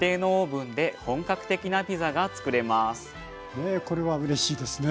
ねえこれはうれしいですね。